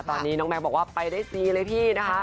ตอนนี้น้องแม็กบอกว่าไปได้ฟรีเลยพี่นะคะ